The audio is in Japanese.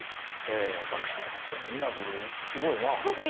ミラクルすごいな。